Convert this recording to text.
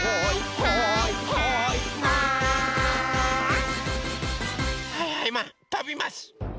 はいはいマンとびます！